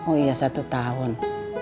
oh iya satu tahun